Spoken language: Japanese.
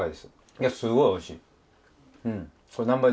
いやすごいおいしい！